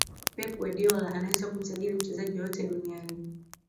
pep guardiola anaweza kumsajili mchezaji yeyote duniani